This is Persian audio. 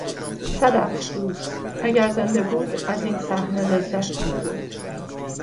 صد افسوس، اگر زنده بود از این صحنه لذت میبرد.